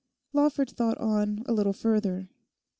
Lawford thought on a little further.